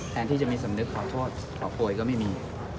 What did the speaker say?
ที่จะมีสำนึกขอโทษขอโพยก็ไม่มี